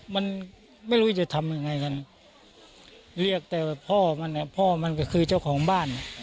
มันไม่รู้จะทำยังไงกันเรียกแต่ว่าพ่อมันเนี่ยพ่อมันก็คือเจ้าของบ้าน